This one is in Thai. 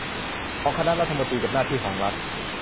ของคณะรัฐมนตรีกับหน้าที่ของรัฐ